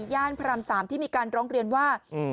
ย่านพระรำสามที่มีการทรองเรียนว่า